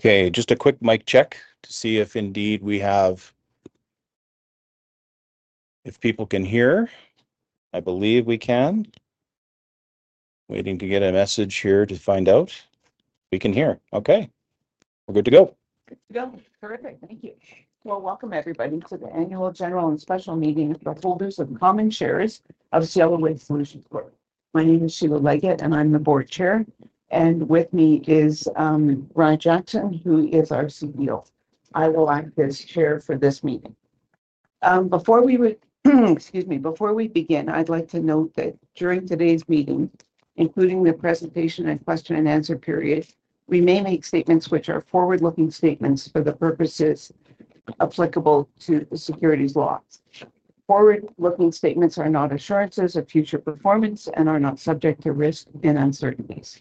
Okay, just a quick mic check to see if indeed we have—if people can hear. I believe we can. Waiting to get a message here to find out. We can hear. Okay, we're good to go. Good to go. Terrific. Thank you. Welcome everybody to the annual general and special meeting of the holders of common shares of Cielo Waste Solutions Corp. My name is Sheila Leggett, and I'm the Board Chair. With me is Ryan Jackson, who is our CEO. I will act as Chair for this meeting. Before we—excuse me—before we begin, I'd like to note that during today's meeting, including the presentation and question and answer period, we may make statements which are forward-looking statements for the purposes applicable to the securities law. Forward-looking statements are not assurances of future performance and are subject to risk and uncertainties.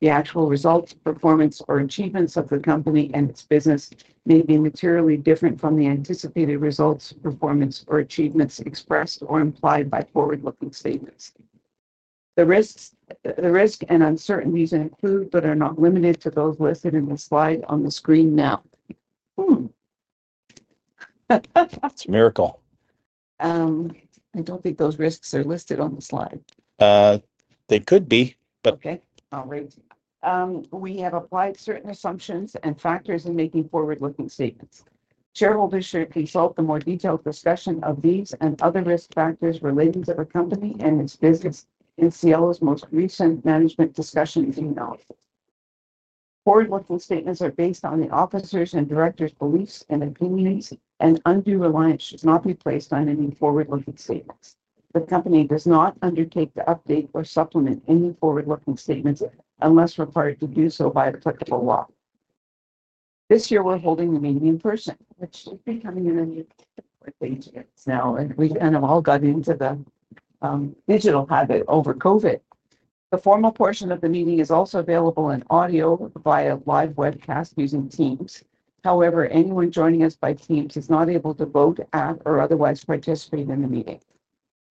The actual results, performance, or achievements of the company and its business may be materially different from the anticipated results, performance, or achievements expressed or implied by forward-looking statements. The risks and uncertainties include, but are not limited to those listed in the slide on the screen now. It's a miracle. I don't think those risks are listed on the slide. They could be, but. Okay, all right. We have applied certain assumptions and factors in making forward-looking statements. Shareholders should consult the more detailed discussion of these and other risk factors related to the company and its business in Cielo's most recent management discussion email. Forward-looking statements are based on the officers and directors' beliefs and opinions, and undue reliance should not be placed on any forward-looking statements. The company does not undertake to update or supplement any forward-looking statements unless required to do so by applicable law. This year, we're holding the meeting in person, which is becoming an important thing to us now, and we've kind of all got into the digital habit over COVID. The formal portion of the meeting is also available in audio via live webcast using Teams. However, anyone joining us by Teams is not able to vote, add, or otherwise participate in the meeting.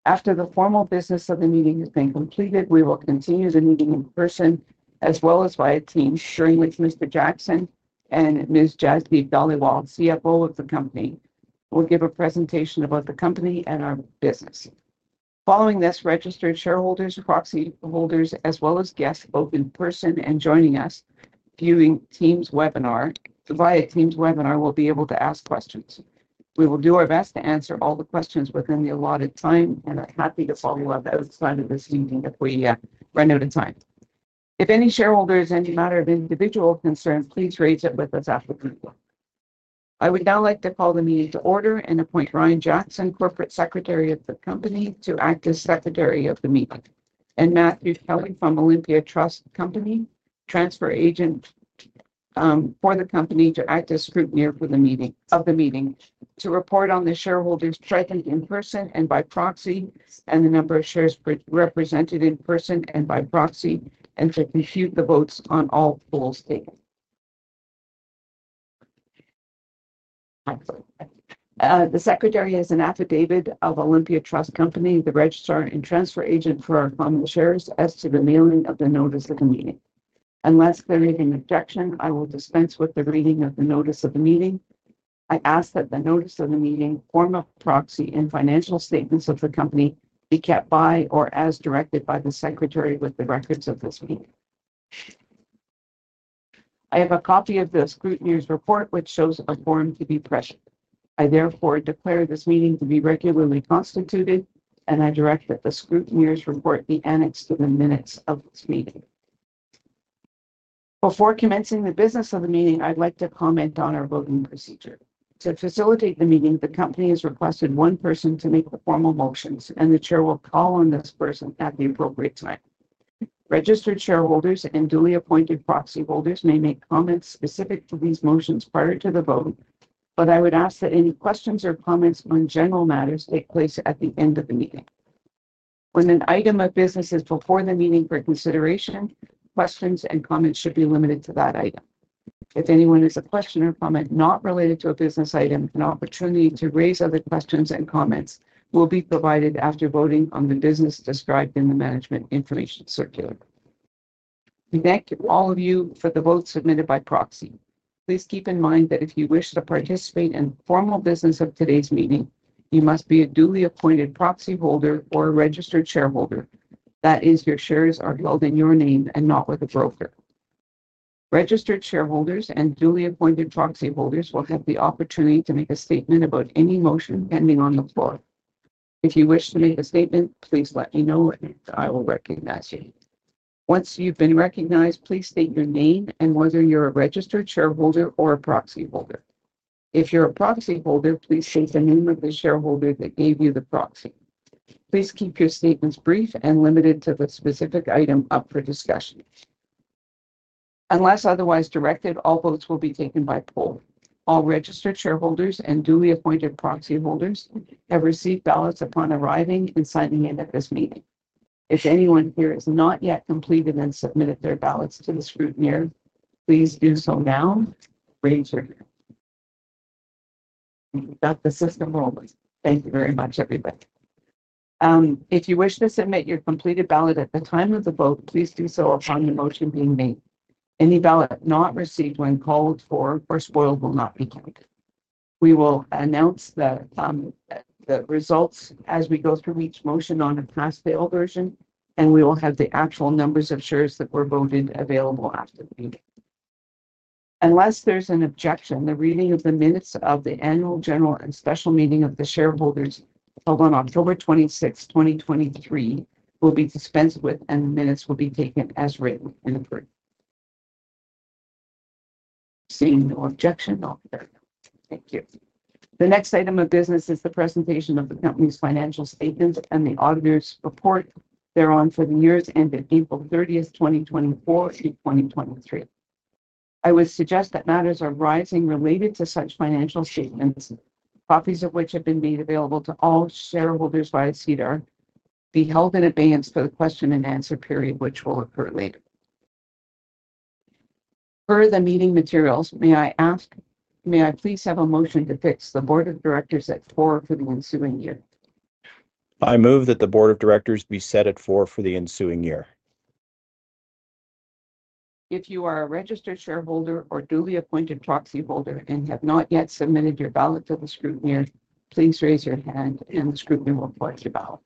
After the formal business of the meeting has been completed, we will continue the meeting in person as well as via Teams, during which Mr. Jackson and Ms. Jasdeep Dhaliwal, CFO of the company, will give a presentation about the company and our business. Following this, registered shareholders, proxy holders, as well as guests both in person and joining us viewing Teams webinar via Teams webinar will be able to ask questions. We will do our best to answer all the questions within the allotted time, and I'm happy to follow up outside of this meeting if we run out of time. If any shareholders have any matter of individual concern, please raise it with us after the meeting. I would now like to call the meeting to order and appoint Ryan Jackson, Corporate Secretary of the company, to act as Secretary of the meeting, and Matthew Kelly from Olympia Trust Company, transfer agent for the company, to act as scrutineer for the meeting, to report on the shareholders present in person and by proxy, and the number of shares represented in person and by proxy, and to compute the votes on all polls taken. The Secretary has an affidavit of Olympia Trust Company, the registrar and transfer agent for our common shares, as to the mailing of the notice of the meeting. Unless there is an objection, I will dispense with the reading of the notice of the meeting. I ask that the notice of the meeting, form of proxy, and financial statements of the company be kept by or as directed by the Secretary with the records of this meeting. I have a copy of the scrutineer's report, which shows a form to be present. I therefore declare this meeting to be regularly constituted, and I direct that the scrutineer's report be annexed to the minutes of this meeting. Before commencing the business of the meeting, I'd like to comment on our voting procedure. To facilitate the meeting, the company has requested one person to make the formal motions, and the Chair will call on this person at the appropriate time. Registered shareholders and duly appointed proxy holders may make comments specific to these motions prior to the vote, but I would ask that any questions or comments on general matters take place at the end of the meeting. When an item of business is before the meeting for consideration, questions and comments should be limited to that item. If anyone has a question or comment not related to a business item, an opportunity to raise other questions and comments will be provided after voting on the business described in the management information circular. We thank all of you for the votes submitted by proxy. Please keep in mind that if you wish to participate in the formal business of today's meeting, you must be a duly appointed proxy holder or a registered shareholder. That is, your shares are held in your name and not with a broker. Registered shareholders and duly appointed proxy holders will have the opportunity to make a statement about any motion pending on the floor. If you wish to make a statement, please let me know, and I will recognize you. Once you've been recognized, please state your name and whether you're a registered shareholder or a proxy holder. If you're a proxy holder, please state the name of the shareholder that gave you the proxy. Please keep your statements brief and limited to the specific item up for discussion. Unless otherwise directed, all votes will be taken by poll. All registered shareholders and duly appointed proxy holders have received ballots upon arriving and signing in at this meeting. If anyone here has not yet completed and submitted their ballots to the scrutineer, please do so now. Raise your hand. We've got the system rolling. Thank you very much, everybody. If you wish to submit your completed ballot at the time of the vote, please do so upon the motion being made. Any ballot not received when called for or spoiled will not be counted. We will announce the results as we go through each motion on a pass/fail version, and we will have the actual numbers of shares that were voted available after the meeting. Unless there's an objection, the reading of the minutes of the Annual General and Special Meeting of the Shareholders held on October 26, 2023, will be dispensed with, and the minutes will be taken as written in the [print]. Seeing no objection, all in favor. Thank you. The next item of business is the presentation of the company's financial statements and the auditor's report. They're on for the years ended April 30th, 2024, to 2023. I would suggest that matters arising related to such financial statements, copies of which have been made available to all shareholders by Cielo, be held in advance for the question and answer period, which will occur later. Per the meeting materials, may I ask, may I please have a motion to fix the board of directors at four for the ensuing year? I move that the board of directors be set at four for the ensuing year. If you are a registered shareholder or duly appointed proxy holder and have not yet submitted your ballot to the scrutineer, please raise your hand, and the scrutineer will collect your ballot.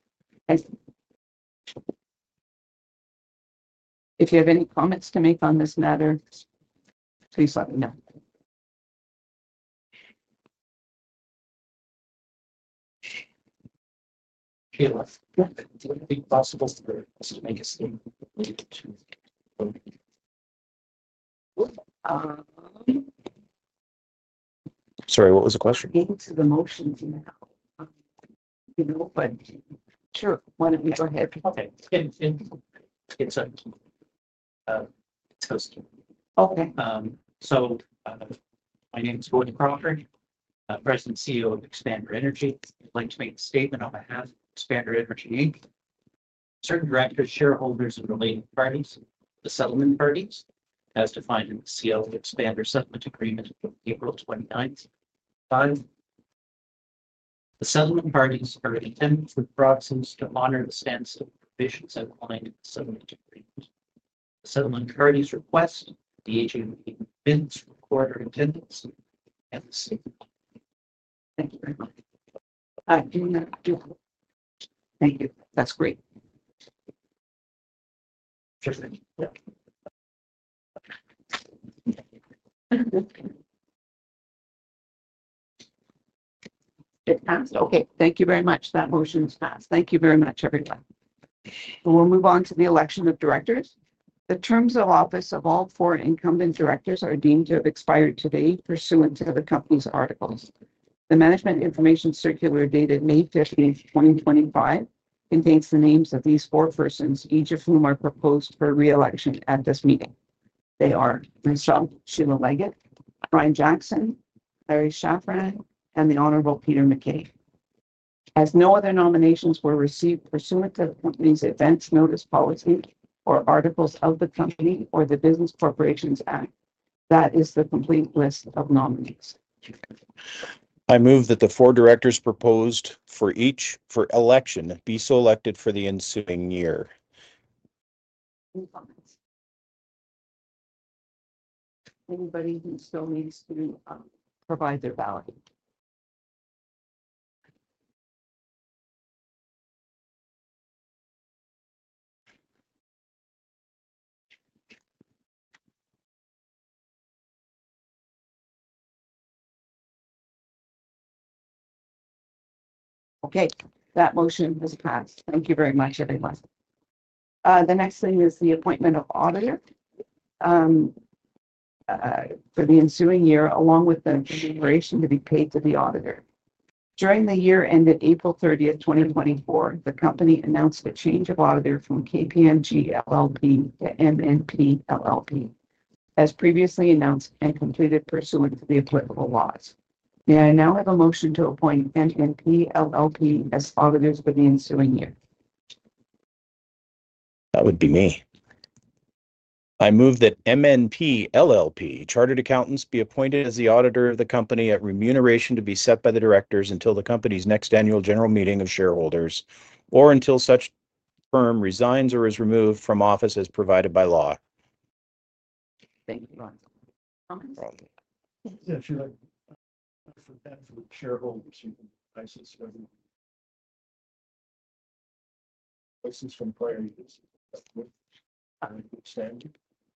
If you have any comments to make on this matter, please let me know. Sheila, do you think it's possible for us to make a statement? Sorry, what was the question? To the motions, you know, but sure, why don't you go ahead? Okay. It's a toast. Okay. My name is Gordon Crawford, President and CEO of Expander Energy. I'd like to make a statement on behalf of Expander Energy, certain directors, shareholders, and related parties, the settlement parties, as defined in the Cielo Expander Settlement Agreement of April 29th. The settlement parties are intended for the proxies to honor the stance of the provisions outlined in the settlement agreement. The settlement parties request that the AJP admits recorder attendance and the statement. Thank you very much. [I do not do.] Thank you. That's great. Sure thing. Okay. It passed. Okay. Thank you very much. That motion's passed. Thank you very much, everyone. We'll move on to the election of directors. The terms of office of all four incumbent directors are deemed to have expired today pursuant to the company's articles. The management information circular dated May 15th, 2025, contains the names of these four persons, each of whom are proposed for reelection at this meeting. They are myself, Sheila Leggett, Ryan Jackson, Larry Schafran, and the Honorable Peter MacKay. As no other nominations were received pursuant to the company's events, notice policy, or articles of the company or the Business Corporations Act, that is the complete list of nominees. I move that the four directors proposed for election be selected for the ensuing year. Any comments? Anybody who still needs to provide their ballot? Okay. That motion has passed. Thank you very much, everyone. The next thing is the appointment of auditor for the ensuing year, along with the deliberation to be paid to the auditor. During the year ended April 30th, 2024, the company announced a change of auditor from KPMG LLP to MNP LLP, as previously announced and completed pursuant to the applicable laws. May I now have a motion to appoint MNP LLP as auditors for the ensuing year? That would be me. I move that MNP LLP Chartered Accountants be appointed as the auditor of the company at remuneration to be set by the directors until the company's next annual general meeting of shareholders or until such firm resigns or is removed from office as provided by law. Thank you, Ron. Yeah, Sheila. Places from prior standing.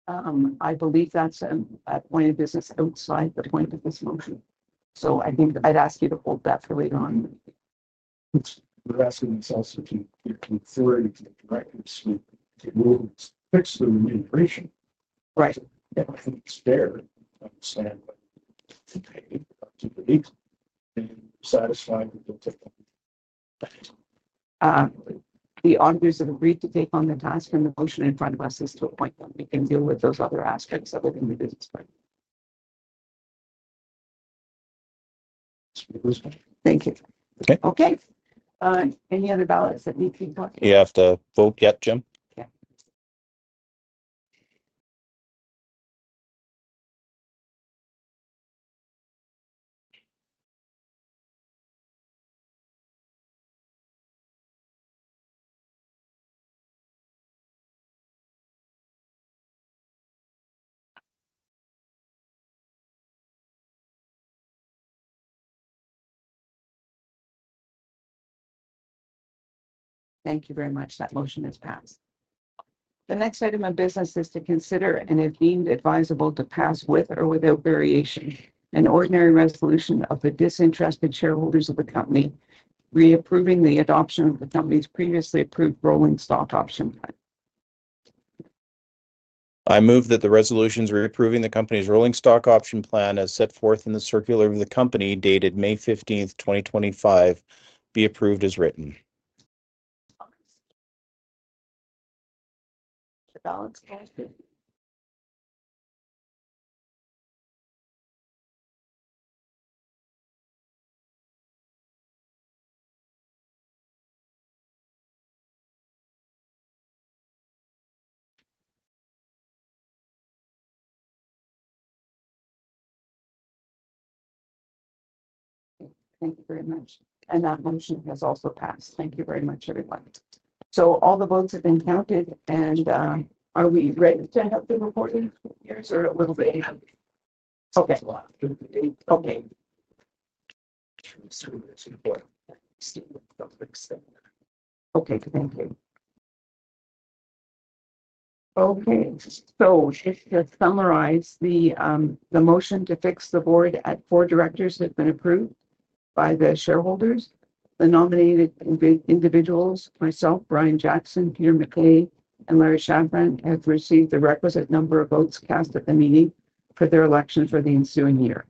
I believe that's an appointed business outside the point of this motion. I think I'd ask you to hold that for later on. We're asking ourselves if you can forward it to the directors to fix the remuneration. Right. Everything's fair. I understand to pay to the league and satisfy that they'll take on. The auditors have agreed to take on the task and the motion in front of us is to appoint them. We can deal with those other aspects other than the business part. Thank you. Okay. Any other ballots that need to be talked about? You have to vote yet, Jim. Okay. Thank you very much. That motion is passed. The next item of business is to consider and if deemed advisable to pass with or without variation an ordinary resolution of the disinterested shareholders of the company reapproving the adoption of the company's previously approved rolling stock option plan. I move that the resolutions reapproving the company's rolling stock option plan as set forth in the circular of the company dated May 15th, 2025, be approved as written. The ballot's passed. Thank you very much. That motion has also passed. Thank you very much, everyone. All the votes have been counted, and are we ready to have the reporting scrutineers or a little bit? Okay. Okay. Okay. Thank you. Okay. So just to summarize, the motion to fix the board at four directors has been approved by the shareholders. The nominated individuals, myself, Ryan Jackson, Peter MacKay, and Larry Schafran, have received the requisite number of votes cast at the meeting for their election for the ensuing year.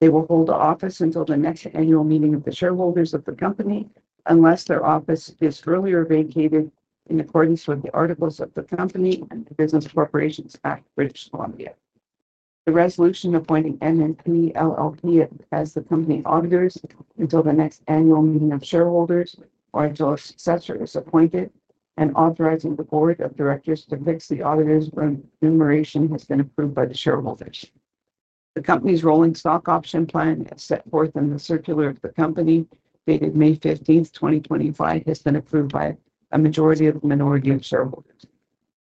They will hold office until the next annual meeting of the shareholders of the company unless their office is earlier vacated in accordance with the articles of the company and the Business Corporations Act, British Columbia. The resolution appointing MNP LLP as the company auditors until the next annual meeting of shareholders or until a successor is appointed and authorizing the board of directors to fix the auditor's remuneration has been approved by the shareholders. The company's rolling stock option plan as set forth in the circular of the company dated May 15th, 2025, has been approved by a majority of the minority of shareholders.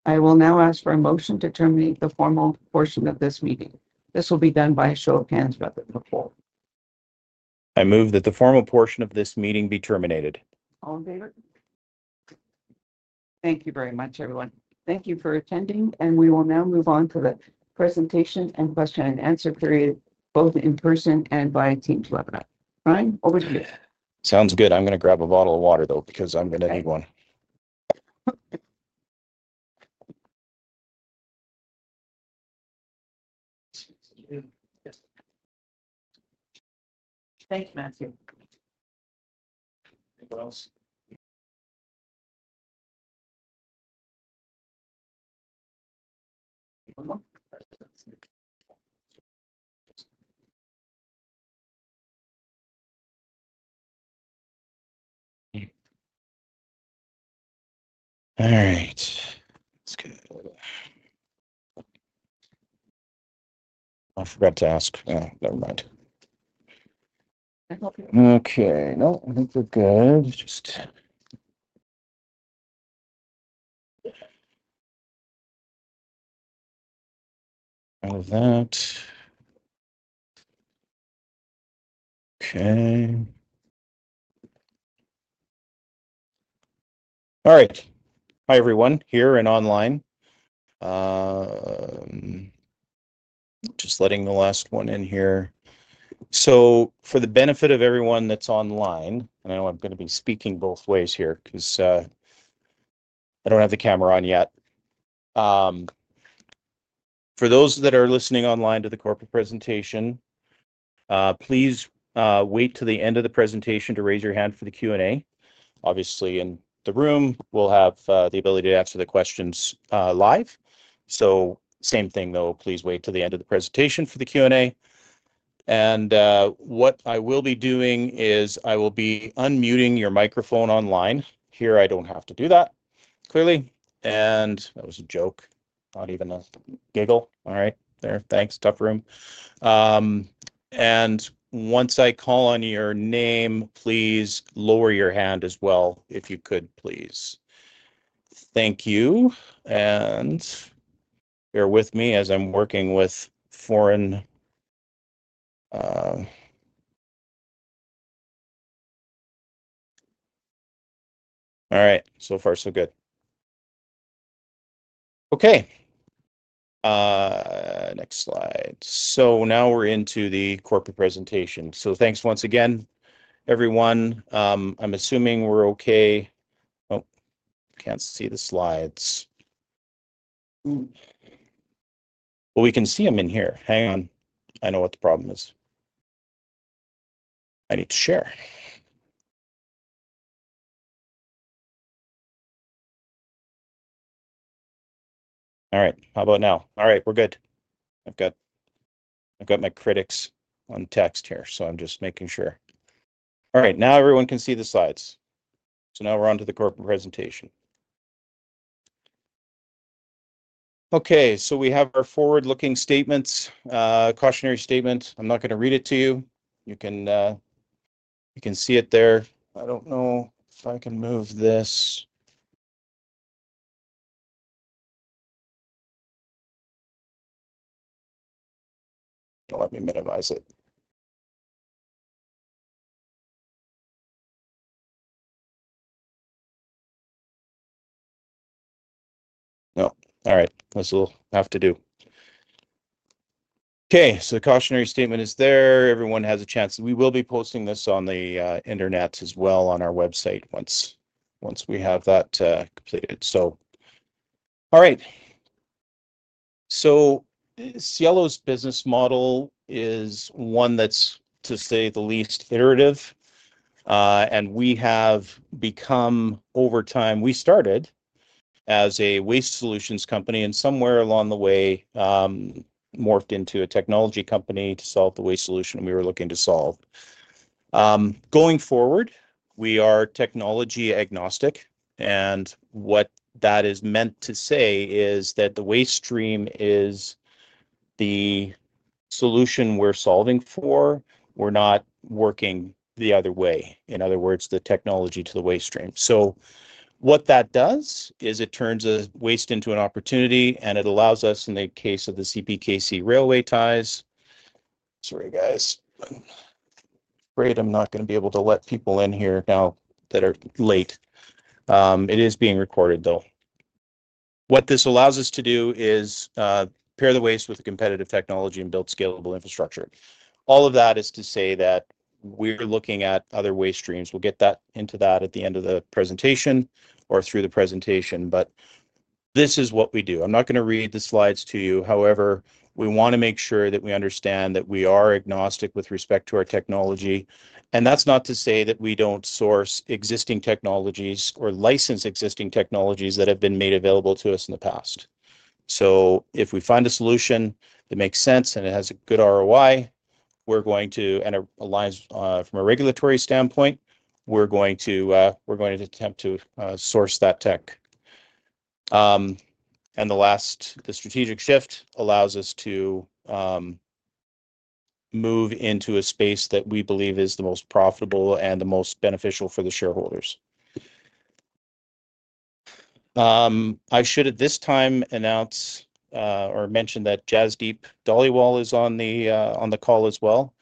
I will now ask for a motion to terminate the formal portion of this meeting. This will be done by a show of hands rather than a poll. I move that the formal portion of this meeting be terminated. All in favor? Thank you very much, everyone. Thank you for attending, and we will now move on to the presentation and question and answer period, both in person and via Teams webinar. Ryan, over to you. Sounds good. I'm going to grab a bottle of water, though, because I'm going to need one. Thank you, Matthew. All right. Let's go. I forgot to ask. Never mind. Okay. No, I think we're good. Just out of that. Okay. All right. Hi, everyone here and online. Just letting the last one in here. For the benefit of everyone that's online, and I know I'm going to be speaking both ways here because I don't have the camera on yet. For those that are listening online to the corporate presentation, please wait to the end of the presentation to raise your hand for the Q&A. Obviously, in the room, we'll have the ability to answer the questions live. Same thing, though. Please wait to the end of the presentation for the Q&A. What I will be doing is I will be unmuting your microphone online. Here, I don't have to do that, clearly. That was a joke. Not even a giggle. All right. There. Thanks. Tough room. Once I call on your name, please lower your hand as well if you could, please. Thank you. Bear with me as I'm working with foreign. All right. So far, so good. Next slide. Now we're into the corporate presentation. Thanks once again, everyone. I'm assuming we're okay. Oh, I can't see the slides. We can see them in here. Hang on. I know what the problem is. I need to share. How about now? All right. We're good. I've got my critics on text here, so I'm just making sure. Now everyone can see the slides. Now we're on to the corporate presentation. We have our forward-looking statements, cautionary statements. I'm not going to read it to you. You can see it there. I don't know if I can move this. Let me minimize it. No. All right. That's all I have to do. Okay. The cautionary statement is there. Everyone has a chance. We will be posting this on the internet as well on our website once we have that completed. All right. Cielo's business model is one that's, to say the least, iterative. We have become, over time, we started as a waste solutions company and somewhere along the way morphed into a technology company to solve the waste solution we were looking to solve. Going forward, we are technology agnostic. What that is meant to say is that the waste stream is the solution we're solving for. We're not working the other way. In other words, the technology to the waste stream. What that does is it turns waste into an opportunity, and it allows us, in the case of the CPKC railway ties. Sorry, guys. Great. I'm not going to be able to let people in here now that are late. It is being recorded, though. What this allows us to do is pair the waste with a competitive technology and build scalable infrastructure. All of that is to say that we're looking at other waste streams. We'll get into that at the end of the presentation or through the presentation, but this is what we do. I'm not going to read the slides to you. However, we want to make sure that we understand that we are agnostic with respect to our technology. That's not to say that we don't source existing technologies or license existing technologies that have been made available to us in the past. If we find a solution that makes sense and it has a good ROI, we're going to, and it aligns from a regulatory standpoint, we're going to attempt to source that tech. The last, the strategic shift allows us to move into a space that we believe is the most profitable and the most beneficial for the shareholders. I should, at this time, announce or mention that Jasdeep Dhaliwal is on the call as well.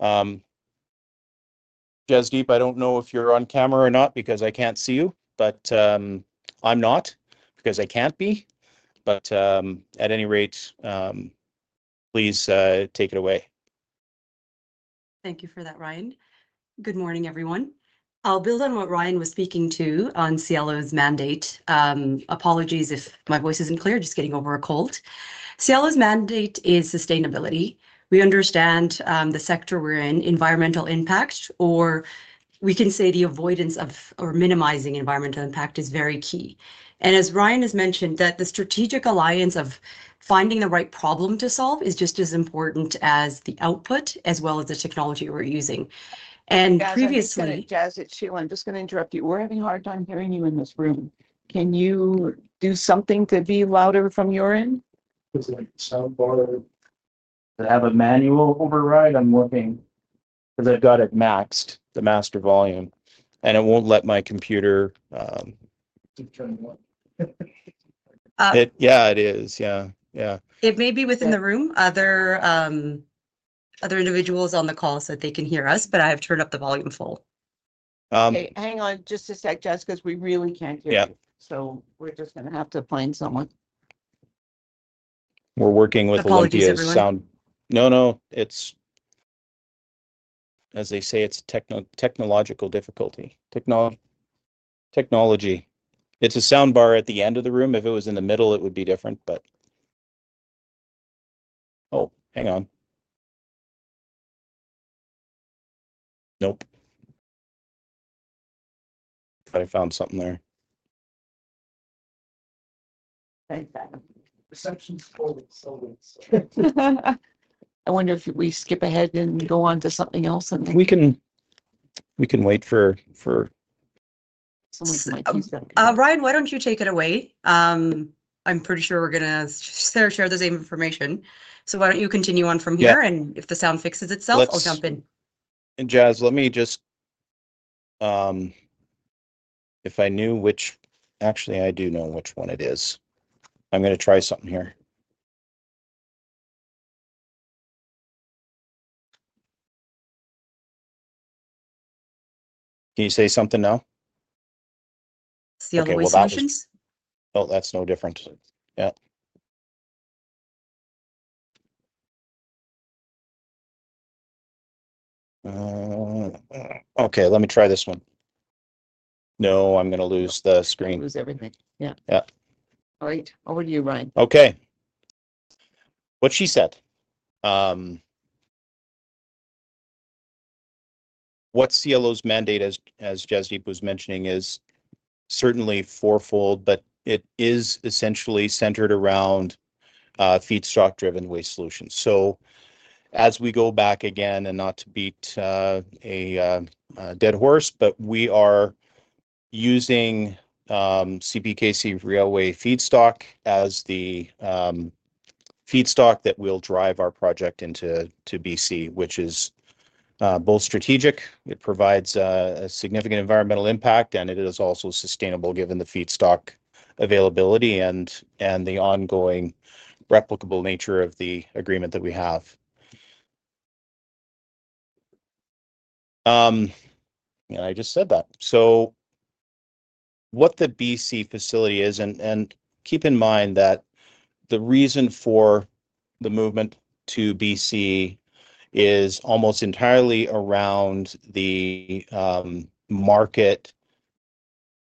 Jasdeep, I don't know if you're on camera or not because I can't see you, but I'm not because I can't be. At any rate, please take it away. Thank you for that, Ryan. Good morning, everyone. I'll build on what Ryan was speaking to on Cielo's mandate. Apologies if my voice isn't clear. Just getting over a cold. Cielo's mandate is sustainability. We understand the sector we're in, environmental impact, or we can say the avoidance of or minimizing environmental impact is very key. As Ryan has mentioned, the strategic alliance of finding the right problem to solve is just as important as the output as well as the technology we're using. Previously. Jasdeep, Sheila, I'm just going to interrupt you. We're having a hard time hearing you in this room. Can you do something to be louder from your end? Is it soundbar? I have a manual override. I'm working because I've got it maxed, the master volume, and it won't let my computer. Keep turning it on. Yeah, it is. Yeah. It may be within the room. Other individuals on the call so that they can hear us, but I have turned up the volume full. Hang on just a sec, Jess, because we really can't hear you. So we're just going to have to find someone. We're working with a little deal of sound. No, no. As they say, it's a technological difficulty. Technology. It's a soundbar at the end of the room. If it was in the middle, it would be different, but. Oh, hang on. Nope. I thought I found something there. Perceptions forward, so we'll see. I wonder if we skip ahead and go on to something else, and then. We can wait for. Someone's mic is stuck. Ryan, why don't you take it away? I'm pretty sure we're going to share the same information. Why don't you continue on from here? If the sound fixes itself, I'll jump in. Jaz, let me just, if I knew which, actually, I do know which one it is. I'm going to try something here. Can you say something now? Cielo Waste Solutions. Oh, that's no different. Yeah. Okay. Let me try this one. No, I'm going to lose the screen. You'll lose everything. Yeah. Yeah. All right. Over to you, Ryan. Okay. What she said. What Cielo's mandate, as Jasdeep was mentioning, is certainly four-fold, but it is essentially centered around feedstock-driven waste solutions. As we go back again, and not to beat a dead horse, we are using CPKC railway feedstock as the feedstock that will drive our project into British Columbia, which is both strategic. It provides a significant environmental impact, and it is also sustainable given the feedstock availability and the ongoing replicable nature of the agreement that we have. I just said that. What the BC facility is, and keep in mind that the reason for the movement to BC is almost entirely around the market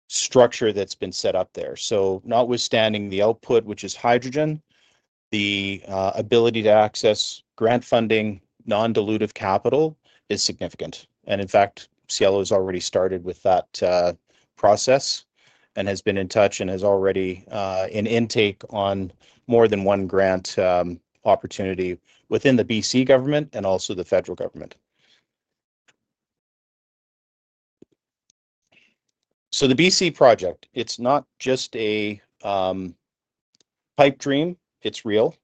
structure that has been set up there. Notwithstanding the output, which is hydrogen, the ability to access grant funding, non-dilutive capital is significant. In fact, Cielo has already started with that process and has been in touch and has already an intake on more than one grant opportunity within the BC government and also the federal government. The BC project, it's not just a pipe dream. It's real.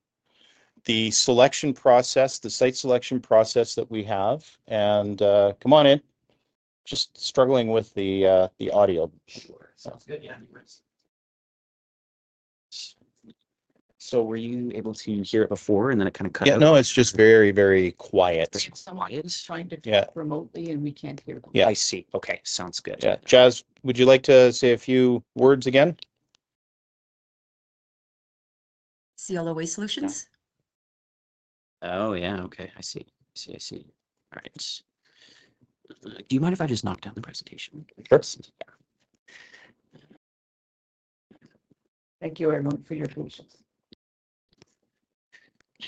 The selection process, the site selection process that we have, and come on in. Just struggling with the audio. Sure. Sounds good. Yeah. You're good. Were you able to hear it before, and then it kind of cut off? Yeah. No, it's just very, very quiet. There's someone trying to talk remotely, and we can't hear them. Yeah. I see. Okay. Sounds good. Yeah. Jas, would you like to say a few words again? Cielo Waste Solutions? Oh, yeah. Okay. I see. I see. I see. All right. Do you mind if I just knock down the presentation? Sure. Thank you, everyone, for your patience.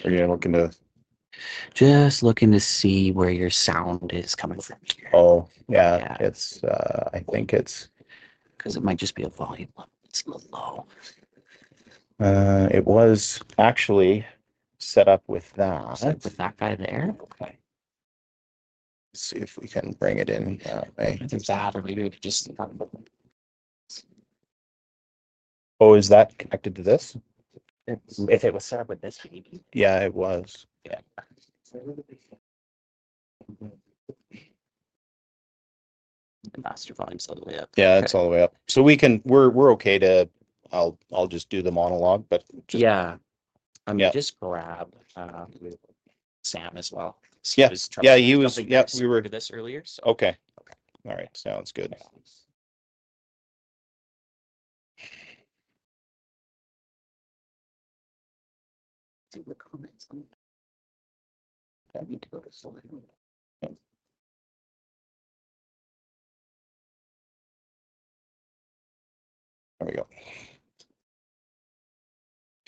Are you looking to? Just looking to see where your sound is coming from here. Oh, yeah. I think it's. Because it might just be a volume level. It's a little low. It was actually set up with that. Set up with that guy there. Okay. Let's see if we can bring it in that way. I think that or maybe we could just. Oh, is that connected to this? If it was set up with this maybe. Yeah, it was. Yeah. Master volume's all the way up. Yeah, it's all the way up. So we're okay to, I'll just do the monologue, but. Yeah. I mean, just grab Sam as well. Yeah. Yeah. He was. Yeah. We were doing this earlier. Okay. Okay. All right. Sounds good. Do the comments. I need to go to the slide. There we go.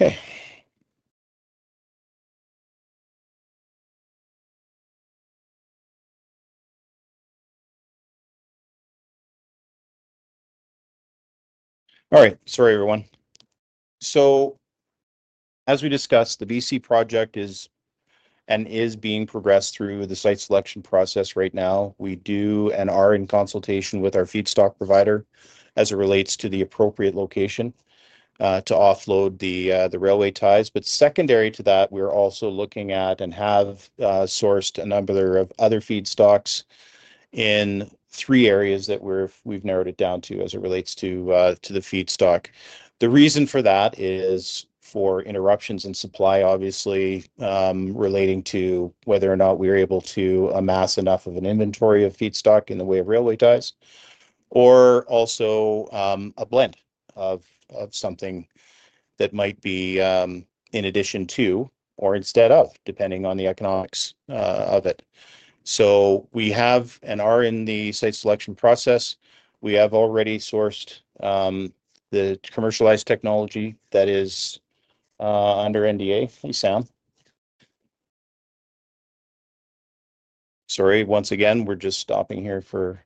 Okay. All right. Sorry, everyone. As we discussed, the BC project is and is being progressed through the site selection process right now. We do and are in consultation with our feedstock provider as it relates to the appropriate location to offload the railway ties. Secondary to that, we're also looking at and have sourced a number of other feedstocks in three areas that we've narrowed it down to as it relates to the feedstock. The reason for that is for interruptions in supply, obviously, relating to whether or not we are able to amass enough of an inventory of feedstock in the way of railway ties, or also a blend of something that might be in addition to or instead of, depending on the economics of it. We have and are in the site selection process. We have already sourced the commercialized technology that is under NDA. Hey, Sam. Sorry. Once again, we're just stopping here for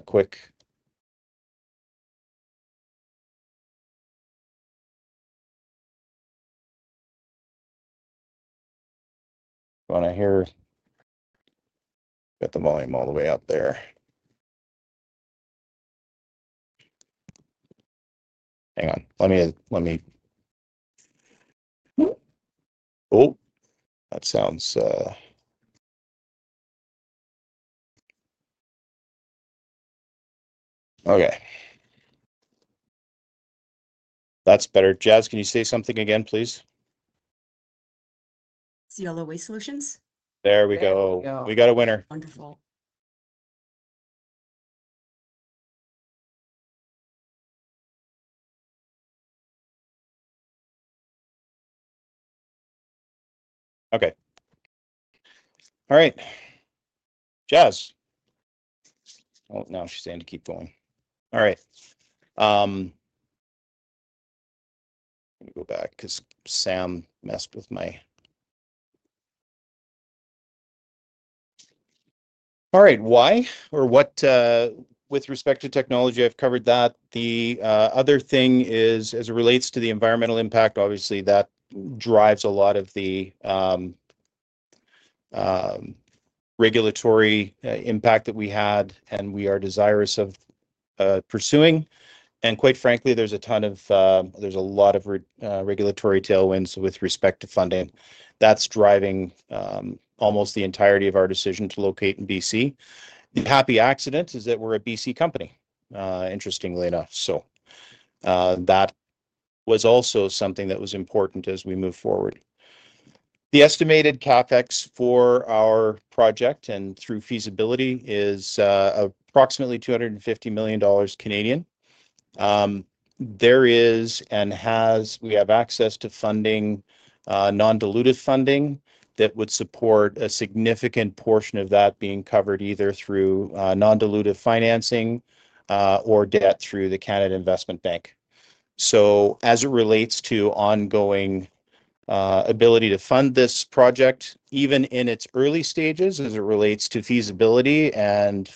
a quick—I want to hear, get the volume all the way up there. Hang on. Let me—oh, that sounds—okay. That's better. Jaz, can you say something again, please? Cielo Waste Solutions. There we go. We got a winner. Wonderful. Okay. All right. Jas. Oh, no. She's saying to keep going. All right. Let me go back because Sam messed with my. All right. Why or what with respect to technology, I've covered that. The other thing is, as it relates to the environmental impact, obviously, that drives a lot of the regulatory impact that we had and we are desirous of pursuing. And quite frankly, there's a ton of there's a lot of regulatory tailwinds with respect to funding that's driving almost the entirety of our decision to locate in BC. The happy accident is that we're a BC company, interestingly enough. That was also something that was important as we move forward. The estimated CapEx for our project and through feasibility is approximately 250 million Canadian dollars. There is and has, we have access to funding, non-dilutive funding that would support a significant portion of that being covered either through non-dilutive financing or debt through the [Business Development Bank of Canada]. As it relates to ongoing ability to fund this project, even in its early stages, as it relates to feasibility and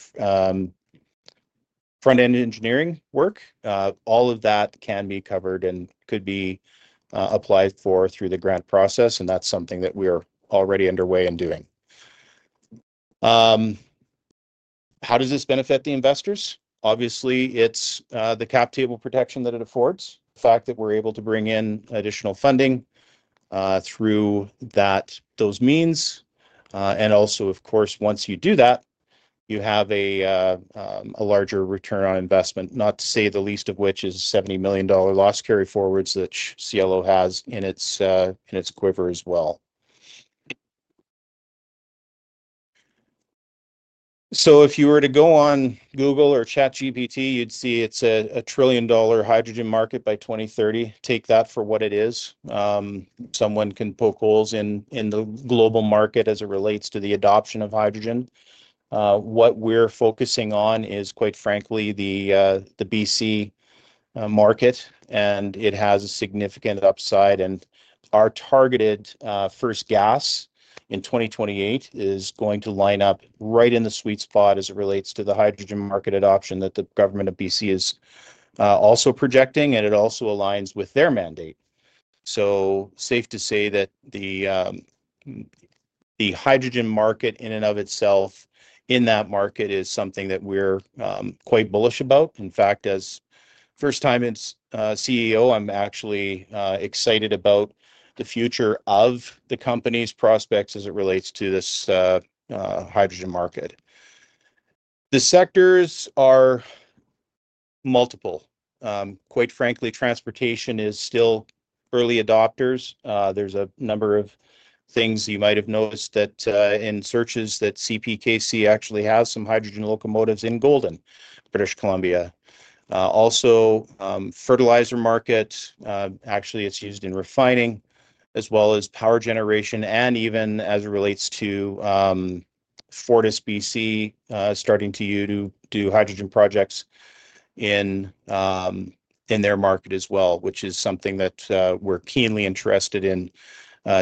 front-end engineering work, all of that can be covered and could be applied for through the grant process. That is something that we are already underway in doing. How does this benefit the investors? Obviously, it is the cap table protection that it affords, the fact that we are able to bring in additional funding through those means. Also, of course, once you do that, you have a larger return on investment, not to say the least of which is a 70 million dollar loss carry forwards that Cielo has in its quiver as well. If you were to go on Google or ChatGPT, you'd see it's a trillion-dollar hydrogen market by 2030. Take that for what it is. Someone can poke holes in the global market as it relates to the adoption of hydrogen. What we're focusing on is, quite frankly, the BC market, and it has a significant upside. Our targeted first gas in 2028 is going to line up right in the sweet spot as it relates to the hydrogen market adoption that the Government of BC is also projecting, and it also aligns with their mandate. It is safe to say that the hydrogen market in and of itself in that market is something that we're quite bullish about. In fact, as first-time CEO, I'm actually excited about the future of the company's prospects as it relates to this hydrogen market. The sectors are multiple. Quite frankly, transportation is still early adopters. There are a number of things you might have noticed in searches that CPKC actually has some hydrogen locomotives in Golden, British Columbia. Also, fertilizer market, actually, it's used in refining as well as power generation. Even as it relates to FortisBC, starting to do hydrogen projects in their market as well, which is something that we're keenly interested in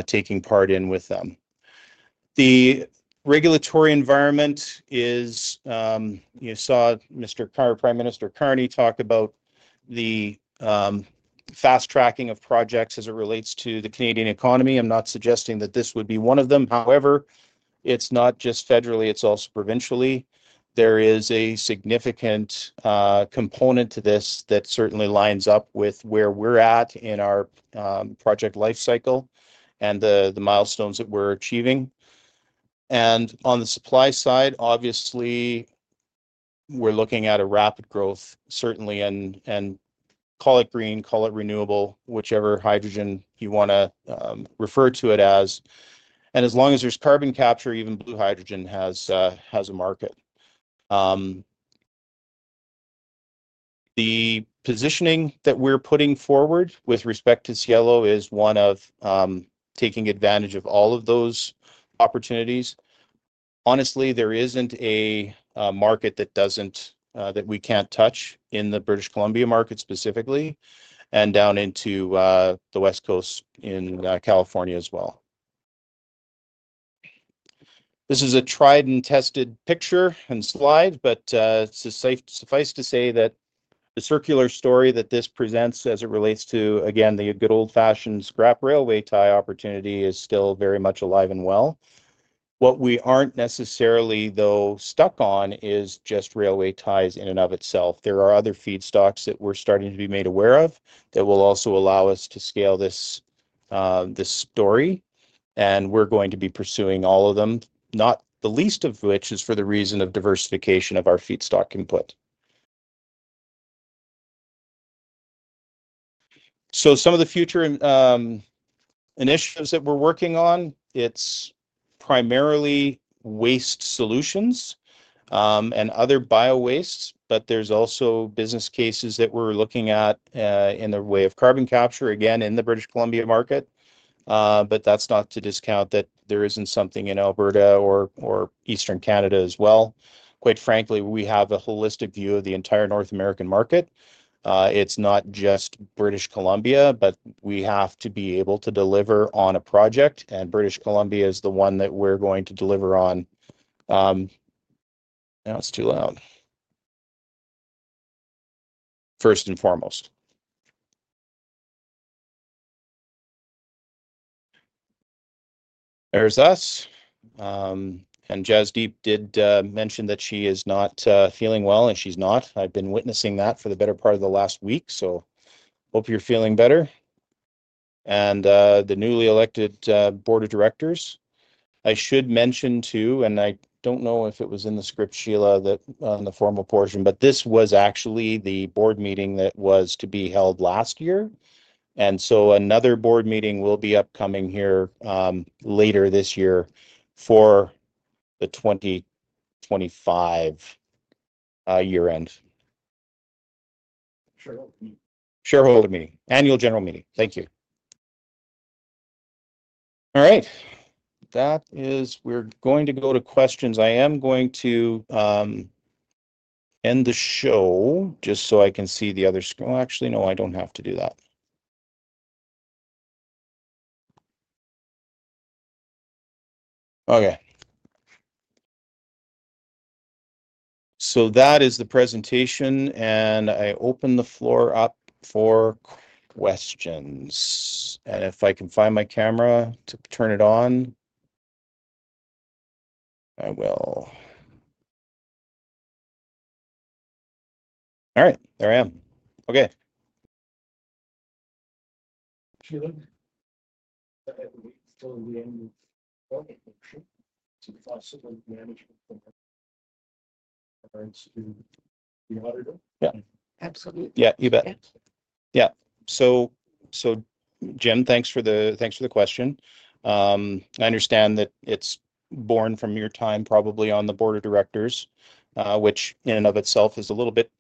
taking part in with them. The regulatory environment is you saw Mr. Prime Minister Carney talk about the fast tracking of projects as it relates to the Canadian economy. I'm not suggesting that this would be one of them. However, it's not just federally. It's also provincially. There is a significant component to this that certainly lines up with where we're at in our project lifecycle and the milestones that we're achieving. On the supply side, obviously, we're looking at a rapid growth, certainly, and call it green, call it renewable, whichever hydrogen you want to refer to it as. As long as there's carbon capture, even blue hydrogen has a market. The positioning that we're putting forward with respect to Cielo is one of taking advantage of all of those opportunities. Honestly, there isn't a market that we can't touch in the British Columbia market specifically and down into the West Coast in California as well. This is a tried and tested picture and slide, but it suffices to say that the circular story that this presents as it relates to, again, the good old-fashioned scrap railway tie opportunity is still very much alive and well. What we aren't necessarily, though, stuck on is just railway ties in and of itself. There are other feedstocks that we're starting to be made aware of that will also allow us to scale this story. We're going to be pursuing all of them, not the least of which is for the reason of diversification of our feedstock input. Some of the future initiatives that we're working on, it's primarily waste solutions and other bio-wastes, but there's also business cases that we're looking at in the way of carbon capture, again, in the British Columbia market. That's not to discount that there isn't something in Alberta or Eastern Canada as well. Quite frankly, we have a holistic view of the entire North American market. It's not just British Columbia, but we have to be able to deliver on a project. British Columbia is the one that we're going to deliver on. That's too loud. First and foremost. There's us. Jasdeep did mention that she is not feeling well, and she's not. I've been witnessing that for the better part of the last week. Hope you're feeling better. The newly elected Board of Directors, I should mention too, and I don't know if it was in the script, Sheila, on the formal portion, but this was actually the board meeting that was to be held last year. Another board meeting will be upcoming here later this year for the 2025 year-end. Sure. Shareholder meeting. Annual general meeting. Thank you. All right. We're going to go to questions. I am going to end the show just so I can see the other screen. Actually, no, I do not have to do that. Okay. That is the presentation. I open the floor up for questions. If I can find my camera to turn it on, I will. All right. There I am. Okay. Sheila. Yeah. Yeah. You bet. Yeah. Jim, thanks for the question. I understand that it's born from your time probably on the board of directors, which in and of itself is a little bit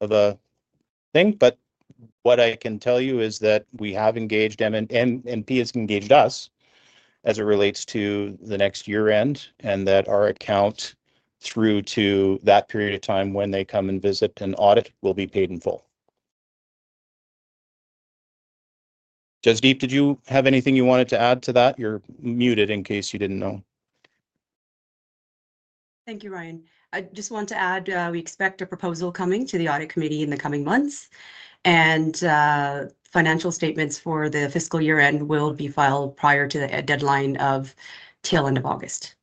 of a thing. What I can tell you is that we have engaged MNP has engaged us as it relates to the next year-end and that our account through to that period of time when they come and visit and audit will be paid in full. Jasdeep, did you have anything you wanted to add to that? You're muted in case you didn't know. Thank you, Ryan. I just want to add we expect a proposal coming to the audit committee in the coming months. Financial statements for the fiscal year-end will be filed prior to the deadline of tail end of August.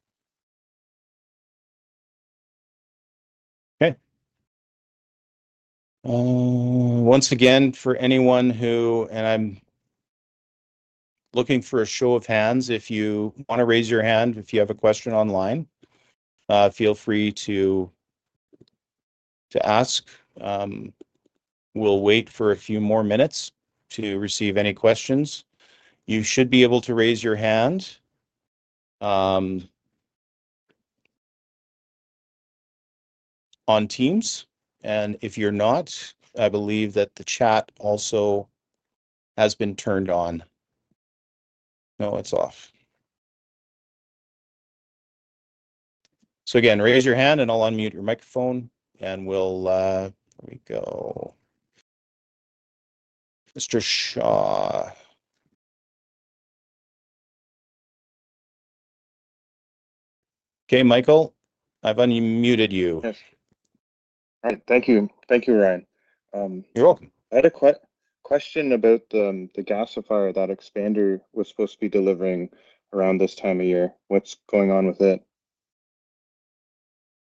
Okay. Once again, for anyone who, and I am looking for a show of hands. If you want to raise your hand, if you have a question online, feel free to ask. We will wait for a few more minutes to receive any questions. You should be able to raise your hand on Teams. If you are not, I believe that the chat also has been turned on. No, it is off. Again, raise your hand, and I will unmute your microphone. There we go. Mr. Shaw. Okay, Michael, I have unmuted you. Yes. Thank you. Thank you, Ryan. You're welcome. I had a question about the gasifier that Expander was supposed to be delivering around this time of year. What's going on with it?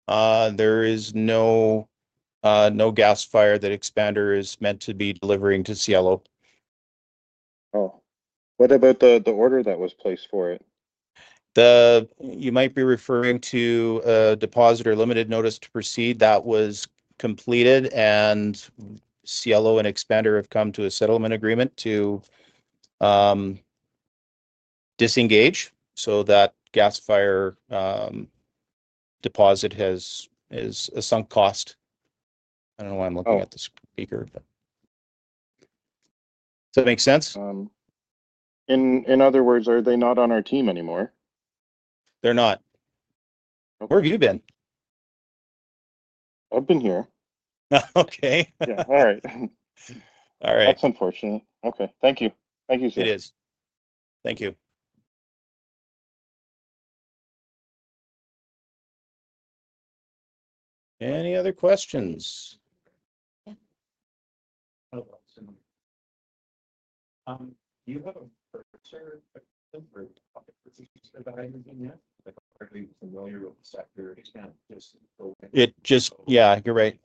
There is no gasifier that Expander is meant to be delivering to Cielo. Oh. What about the order that was placed for it? You might be referring to a deposit or limited notice to proceed. That was completed, and Cielo and Expander have come to a settlement agreement to disengage so that gasifier deposit has a sunk cost. I don't know why I'm looking at this speaker, but does that make sense? In other words, are they not on our team anymore? They're not. Where have you been? I've been here. Okay. Yeah. All right. All right. That's unfortunate. Okay. Thank you. Thank you, sir. It is. Thank you. Any other questions? Do you have a bursar or something for these evaluating that? Are they familiar with the sector? Yeah. You're right.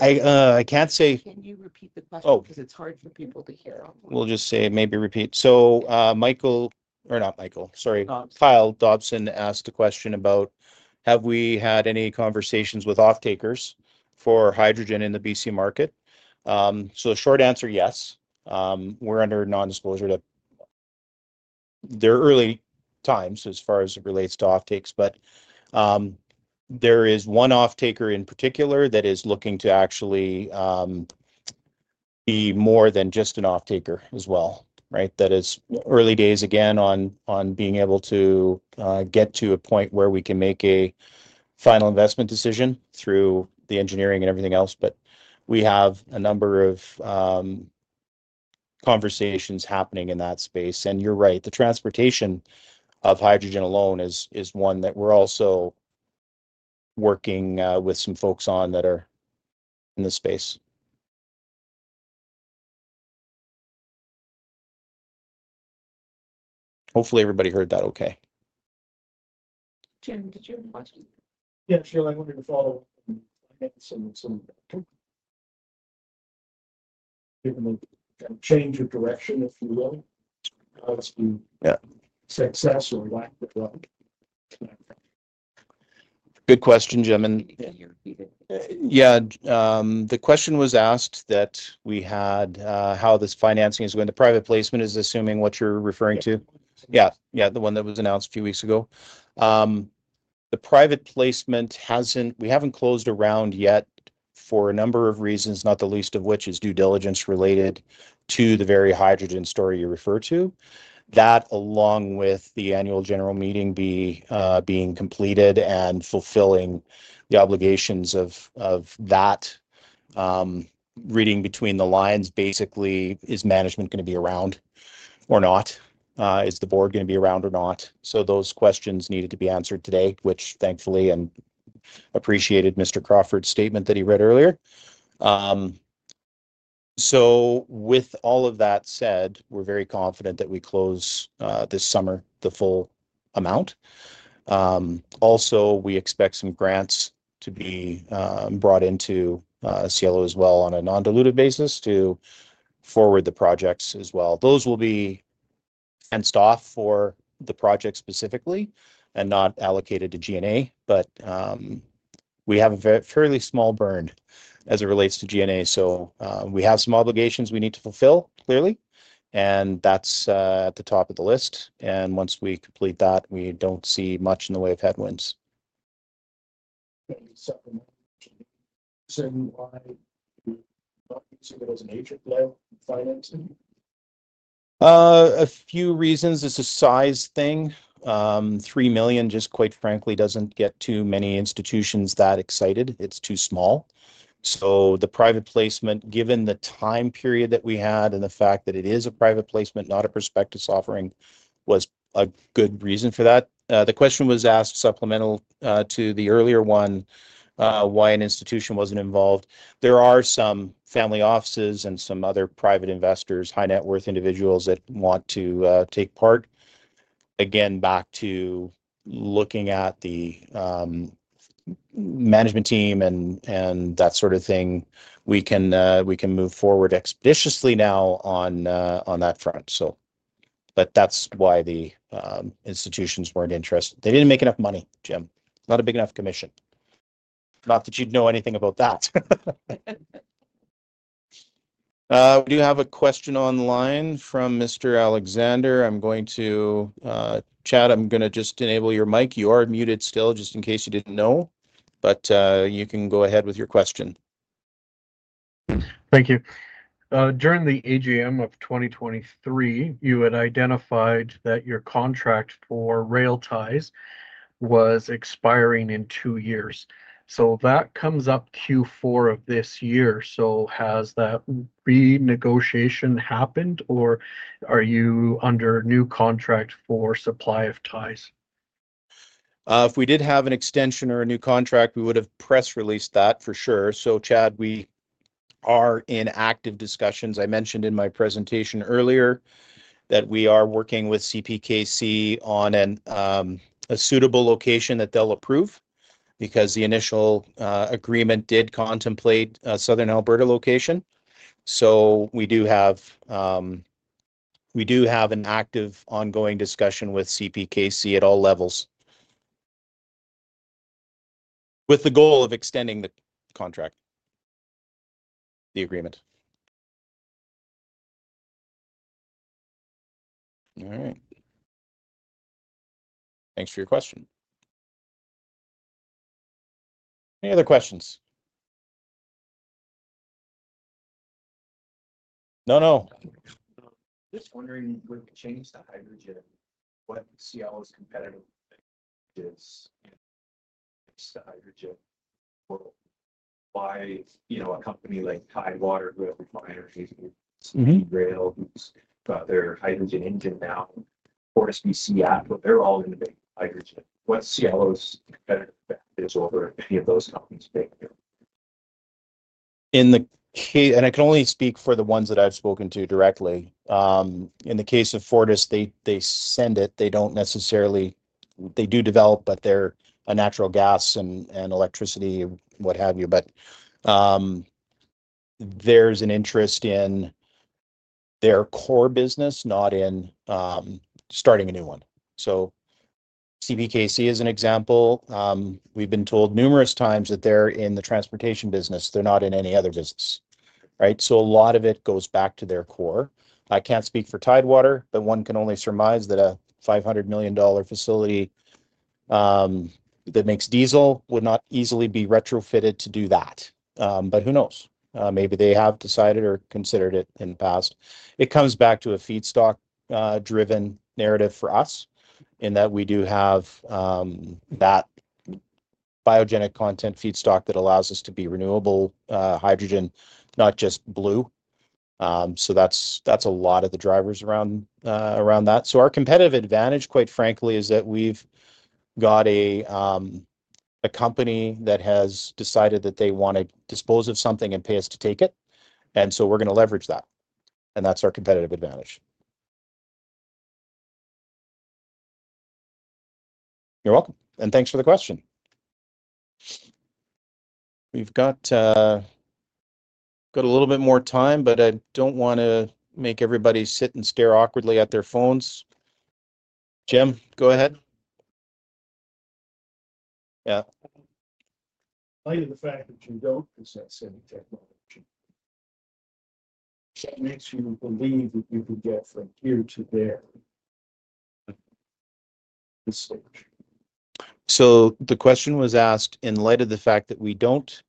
I can't say. Can you repeat the question? Oh. Because it's hard for people to hear. We'll just say maybe repeat. So, Michael or not Michael. Sorry. Not Michael. Kyle Dobson asked a question about, "Have we had any conversations with off-takers for hydrogen in the BC market?" The short answer, yes. We're under non-disclosure. They're early times as far as it relates to off-takes. There is one off-taker in particular that is looking to actually be more than just an off-taker as well, right? That is early days, again, on being able to get to a point where we can make a final investment decision through the engineering and everything else. We have a number of conversations happening in that space. You're right. The transportation of hydrogen alone is one that we're also working with some folks on that are in the space. Hopefully, everybody heard that okay. Jim did you have a question? Yeah. Sheila, I wanted to follow up on some change of direction, if you will, as to success or lack of success. Good question, Jim. Yeah. The question was asked that we had how this financing is going. The private placement is assuming what you're referring to. Yeah. Yeah. The one that was announced a few weeks ago. The private placement hasn't, we haven't closed a round yet for a number of reasons, not the least of which is due diligence related to the very hydrogen story you referred to. That, along with the annual general meeting being completed and fulfilling the obligations of that, reading between the lines, basically, is management going to be around or not? Is the board going to be around or not? Those questions needed to be answered today, which thankfully and appreciated Mr. Crawford's statement that he read earlier. With all of that said, we're very confident that we close this summer the full amount. Also, we expect some grants to be brought into Cielo as well on a non-diluted basis to forward the projects as well. Those will be fenced off for the project specifically and not allocated to G&A. We have a fairly small burn as it relates to G&A. We have some obligations we need to fulfill, clearly. That is at the top of the list. Once we complete that, we do not see much in the way of headwinds. Any supplemental reason why you're not using it as an agent level financing? A few reasons. It's a size thing. 3 million, just quite frankly, doesn't get too many institutions that excited. It's too small. The private placement, given the time period that we had and the fact that it is a private placement, not a prospectus offering, was a good reason for that. The question was asked supplemental to the earlier one, why an institution wasn't involved. There are some family offices and some other private investors, high-net-worth individuals that want to take part. Again, back to looking at the management team and that sort of thing, we can move forward expeditiously now on that front. That's why the institutions weren't interested. They didn't make enough money, Jim. Not a big enough commission. Not that you'd know anything about that. We do have a question online from Mr. Alexander. I'm going to Chad. I'm going to just enable your mic. You are muted still, just in case you did not know. You can go ahead with your question. Thank you. During the AGM of 2023, you had identified that your contract for rail ties was expiring in two years. That comes up Q4 of this year. Has that renegotiation happened, or are you under a new contract for supply of ties? If we did have an extension or a new contract, we would have press released that for sure. So Chad, we are in active discussions. I mentioned in my presentation earlier that we are working with CPKC on a suitable location that they'll approve because the initial agreement did contemplate a Southern Alberta location. So we do have an active ongoing discussion with CPKC at all levels with the goal of extending the contract, the agreement. All right. Thanks for your question. Any other questions? No, no. Just wondering what changed the hydrogen, what Cielo's competitive edge is against the hydrogen, or why a company like Tidewater who has a smaller energy speed rail, who's got their hydrogen engine now, FortisBC app, they're all in the big hydrogen. What Cielo's competitive advantage is over any of those companies bigger? I can only speak for the ones that I've spoken to directly. In the case of Fortis, they send it. They don't necessarily, they do develop, but they're a natural gas and electricity, what have you. There's an interest in their core business, not in starting a new one. CPKC is an example. We've been told numerous times that they're in the transportation business. They're not in any other business, right? A lot of it goes back to their core. I can't speak for Tidewater, but one can only surmise that a 500 million dollar facility that makes diesel would not easily be retrofitted to do that. Who knows? Maybe they have decided or considered it in the past. It comes back to a feedstock-driven narrative for us in that we do have that biogenic content feedstock that allows us to be renewable hydrogen, not just blue. That is a lot of the drivers around that. Our competitive advantage, quite frankly, is that we have got a company that has decided that they want to dispose of something and pay us to take it. We are going to leverage that. That is our competitive advantage. You are welcome. Thanks for the question. We have got a little bit more time, but I do not want to make everybody sit and stare awkwardly at their phones. Jim, go ahead. Yeah. In light of the fact that you don't possess any technology, what makes you believe that you can get from here to there? The question was asked in light of the fact that we do not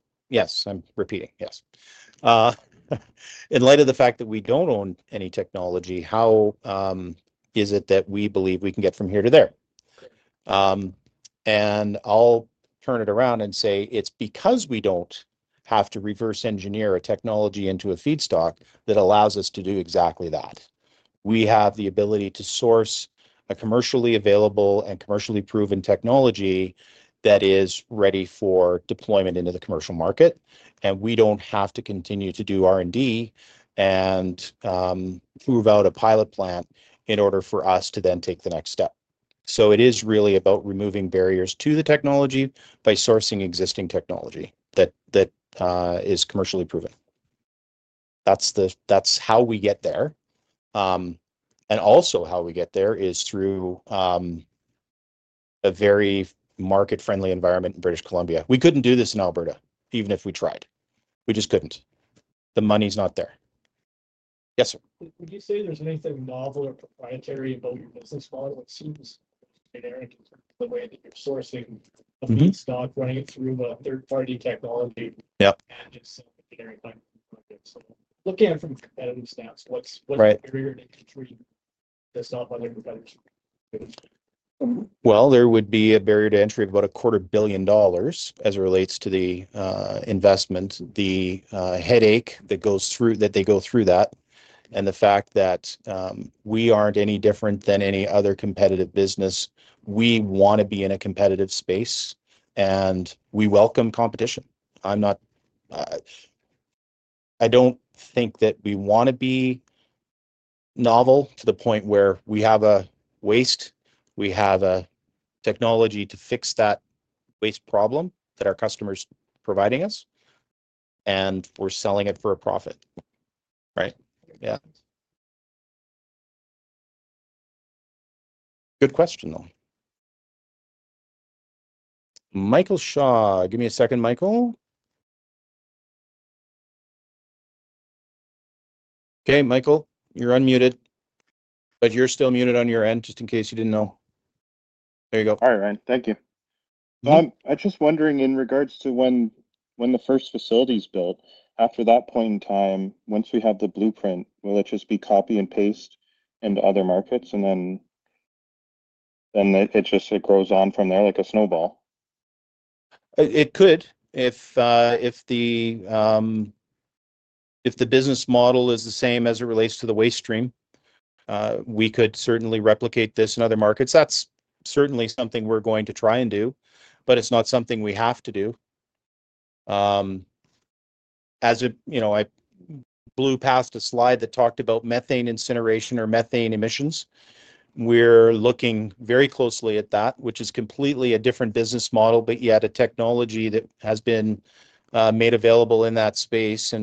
own any technology, how is it that we believe we can get from here to there? I will turn it around and say it is because we do not have to reverse engineer a technology into a feedstock that allows us to do exactly that. We have the ability to source a commercially available and commercially proven technology that is ready for deployment into the commercial market. We do not have to continue to do R&D and move out a pilot plant in order for us to then take the next step. It is really about removing barriers to the technology by sourcing existing technology that is commercially proven. That is how we get there. Also, how we get there is through a very market-friendly environment in British Columbia. We could not do this in Alberta, even if we tried. We just could not. The money is not there. Yes, sir. Would you say there's anything novel or proprietary about your business model? It seems generic in terms of the way that you're sourcing a feedstock, running it through a third-party technology, and it's engineering funding projects. Looking at it from a competitive stance, what's the barrier to entry to stop other competitors from doing this? There would be a barrier to entry of about 250 million dollars as it relates to the investment, the headache that they go through with that, and the fact that we are not any different than any other competitive business. We want to be in a competitive space, and we welcome competition. I do not think that we want to be novel to the point where we have a waste. We have a technology to fix that waste problem that our customer is providing us, and we are selling it for a profit, right? Yeah. Good question, though. Michael Shaw, give me a second, Michael. Okay, Michael, you are unmuted, but you are still muted on your end, just in case you did not know. There you go. All right, Ryan. Thank you. I'm just wondering in regards to when the first facility is built, after that point in time, once we have the blueprint, will it just be copy and paste into other markets? And then it just grows on from there like a snowball? It could. If the business model is the same as it relates to the waste stream, we could certainly replicate this in other markets. That's certainly something we're going to try and do, but it's not something we have to do. As I blew past a slide that talked about methane incineration or methane emissions, we're looking very closely at that, which is completely a different business model, yet a technology that has been made available in that space.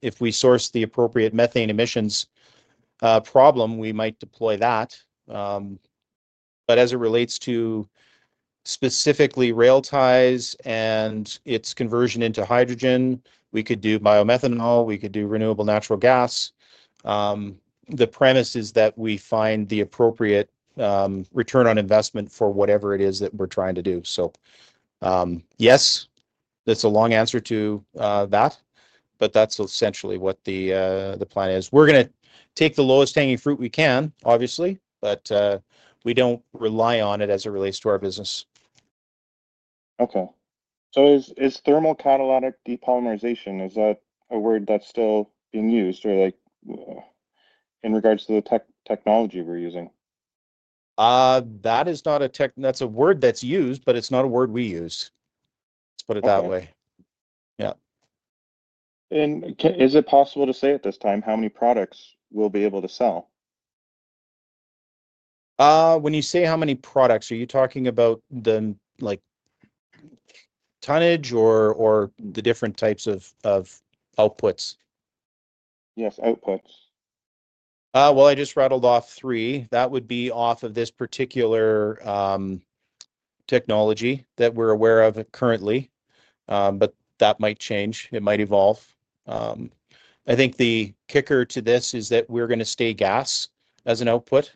If we source the appropriate methane emissions problem, we might deploy that. As it relates to specifically railway ties and its conversion into hydrogen, we could do biomethanol. We could do renewable natural gas. The premise is that we find the appropriate return on investment for whatever it is that we're trying to do. Yes, that's a long answer to that, but that's essentially what the plan is. We're going to take the lowest hanging fruit we can, obviously, but we don't rely on it as it relates to our business. Okay. So is thermal catalytic depolymerization, is that a word that's still being used or in regards to the technology we're using? That is not a tech—that's a word that's used, but it's not a word we use. Let's put it that way. Yeah. Is it possible to say at this time how many products we'll be able to sell? When you say how many products, are you talking about the tonnage or the different types of outputs? Yes, outputs. I just rattled off three. That would be off of this particular technology that we're aware of currently, but that might change. It might evolve. I think the kicker to this is that we're going to stay gas as an output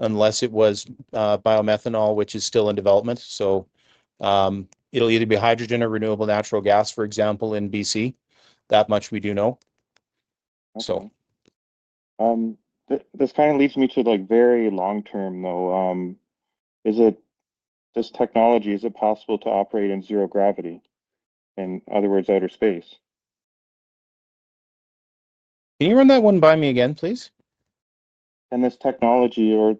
unless it was biomethanol, which is still in development. It will either be hydrogen or renewable natural gas, for example, in BC. That much we do know, so. This kind of leads me to very long term, though. This technology, is it possible to operate in zero gravity? In other words, outer space? Can you run that one by me again, please? This technology—not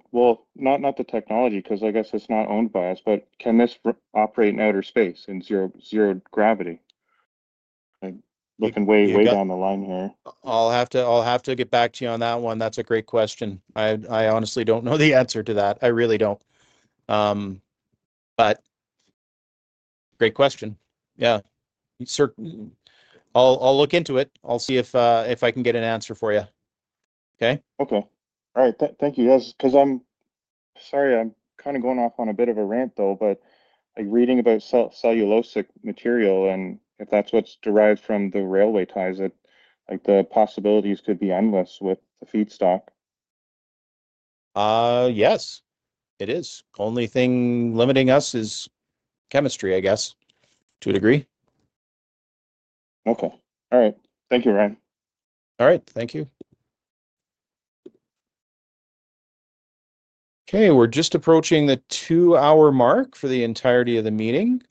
the technology because I guess it's not owned by us—but can this operate in outer space in zero gravity? We can way down the line here. I'll have to get back to you on that one. That's a great question. I honestly don't know the answer to that. I really don't. Great question. Yeah. I'll look into it. I'll see if I can get an answer for you. Okay? Okay. All right. Thank you. Because I'm sorry, I'm kind of going off on a bit of a rant, though, but reading about cellulosic material and if that's what's derived from the railway ties, the possibilities could be endless with the feedstock. Yes, it is. The only thing limiting us is chemistry, I guess, to a degree. Okay. All right. Thank you, Ryan. All right. Thank you. Okay. We're just approaching the two-hour mark for the entirety of the meeting.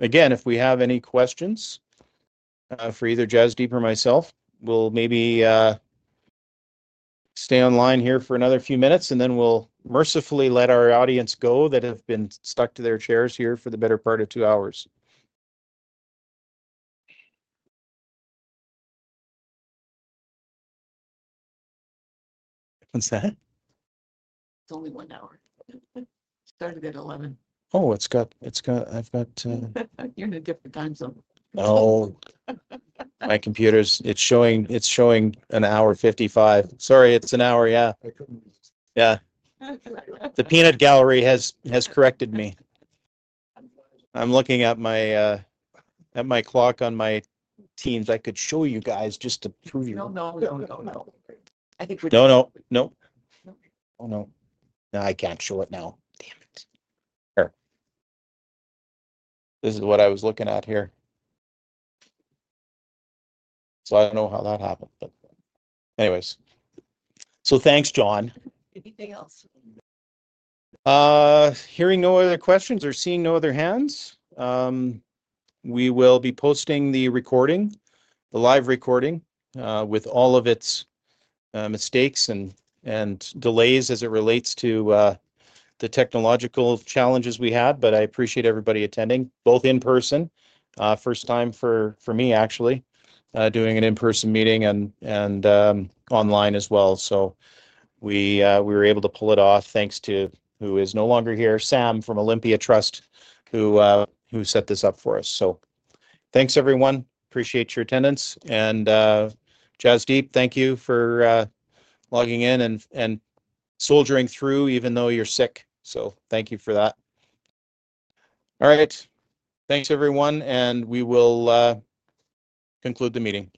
Again, if we have any questions for either Jasdeep or myself, we'll maybe stay online here for another few minutes, and then we'll mercifully let our audience go that have been stuck to their chairs here for the better part of two hours. What's that? It's only one hour. Started at 11:00. Oh, it's got—I've got— You're in a different time, so. Oh, my computer's—it's showing an hour 55. Sorry, it's an hour, yeah. I couldn't— Yeah. The peanut gallery has corrected me. I'm looking at my clock on my Teams. I could show you guys just to prove you. No, no. I think we're— No, no, no. Nope. Oh, no. No, I can't show it now. Damn it. Here. This is what I was looking at here. I do not know how that happened, but anyways. Thanks, John. Anything else? Hearing no other questions or seeing no other hands, we will be posting the recording, the live recording with all of its mistakes and delays as it relates to the technological challenges we had. I appreciate everybody attending, both in person—first time for me, actually—doing an in-person meeting and online as well. We were able to pull it off thanks to who is no longer here, Sam from Olympia Trust Company, who set this up for us. Thanks, everyone. Appreciate your attendance. And Jasdeep, thank you for logging in and soldiering through even though you're sick. Thank you for that. All right. Thanks, everyone. We will conclude the meeting.